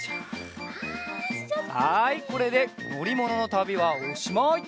はいこれでのりもののたびはおしまい！